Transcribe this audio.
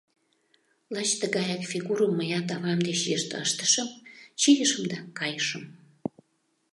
Лач тыгаяк фигурым мыят авам деч йышт ыштышым, чийышым да кайышым.